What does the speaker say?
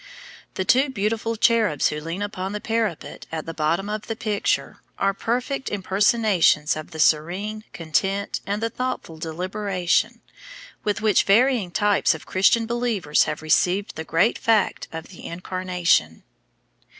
The two beautiful cherubs who lean upon the parapet at the bottom of the picture are perfect impersonations of the serene content and the thoughtful deliberation with which varying types of Christian believers have received the great fact of the Incarnation.